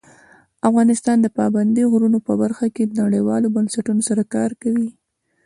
افغانستان د پابندی غرونه په برخه کې نړیوالو بنسټونو سره کار کوي.